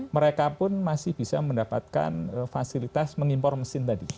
mereka pun masih bisa mendapatkan fasilitas mengimpor mesin tadi